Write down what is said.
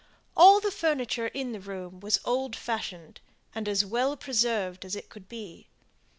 All the furniture in the room was as old fashioned and as well preserved as it could be.